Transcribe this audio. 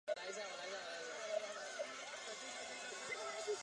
巴朗德蒙特阿尔托是巴西米纳斯吉拉斯州的一个市镇。